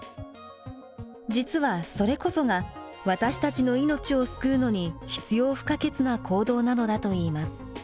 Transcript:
実はそれこそが私たちの命を救うのに必要不可欠な行動なのだといいます。